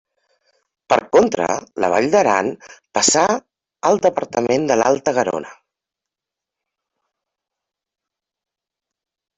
Per contra, la Vall d'Aran passà al departament de l'Alta Garona.